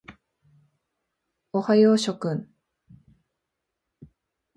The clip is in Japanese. おはよう諸君。